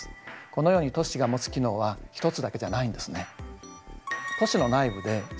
このように都市が持つ機能は一つだけじゃないんですね。